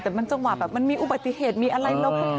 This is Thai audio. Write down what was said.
แต่มันจังหวะแบบมันมีอุบัติเหตุมีอะไร